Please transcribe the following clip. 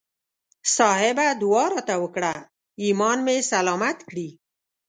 صاحبه دعا راته وکړه ایمان مې سلامت کړي.